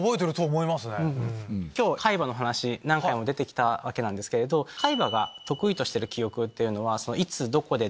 今日海馬の話何回も出てきたわけなんですけれど海馬が得意としてる記憶っていうのは。